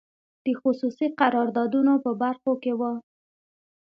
د خصوصي قراردادونو په برخو کې وو.